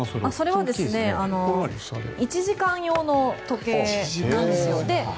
それは１時間用の時計なんですよ。